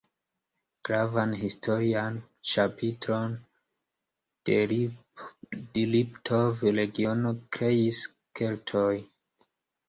Gravan historian ĉapitron de Liptov-regiono kreis Keltoj.